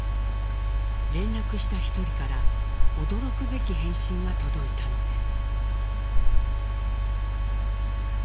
連絡した一人から驚くべき返信が届いたのです。